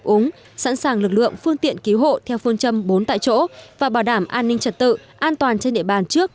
ứng sẵn sàng lực lượng phương tiện cứu hộ theo phương châm bốn tại chỗ và bảo đảm an ninh trật tự an toàn trên địa bàn trước